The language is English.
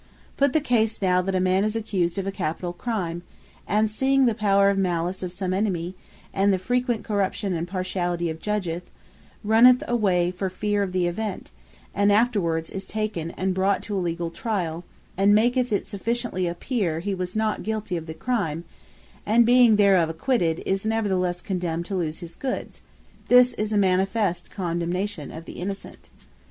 Put the case now, that a man is accused of a capitall crime, and seeing the powers and malice of some enemy, and the frequent corruption and partiality of Judges, runneth away for feare of the event, and afterwards is taken, and brought to a legall triall, and maketh it sufficiently appear, he was not guilty of the crime, and being thereof acquitted, is neverthelesse condemned to lose his goods; this is a manifest condemnation of the Innocent.